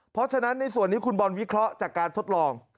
เพราะฉะนั้นในส่วนนี้คุณบอลวิเคราะห์จากการทดลอง